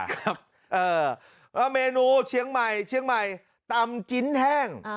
และเมนูเชียงใหม่ตำจิ้นแห้ง